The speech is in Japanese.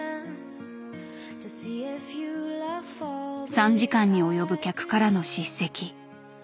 ３時間に及ぶ客からの叱責。